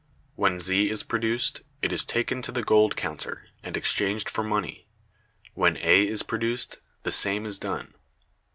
When Z is produced, it is taken to the gold counter, and exchanged for money; when A is produced, the same is done.